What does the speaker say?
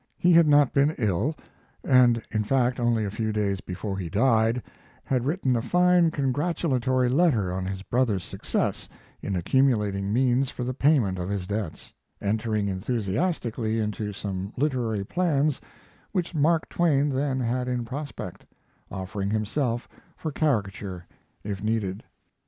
He had not been ill, and, in fact, only a few days before he died had written a fine congratulatory letter on his brother's success in accumulating means for the payment of his debts, entering enthusiastically into some literary plans which Mark Twain then had in prospect, offering himself for caricature if needed.